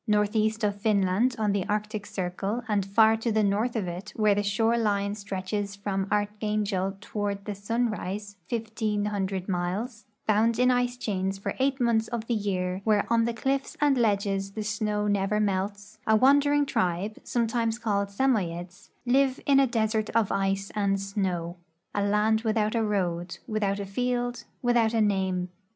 Northeast of Finland, on the Arctic circle, and hir to the north of it, wliere the shore line stretches from Archangel toward the sunrise fifteen hundred miles, bound in ice chains for eight months of the year, where on the cliffs and ledges the snow never melts, a wandering tribe, sometimes called Samoyeds, live in a desert of ice and snow — a land without a road, with out a field, without a name.